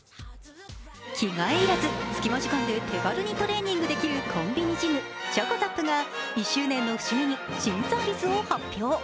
着替え要らず、隙間時間で気軽にトレーニングできるコンビニジムｃｈｏｃｏＺＡＰが１周年の節目に新サービスを発表。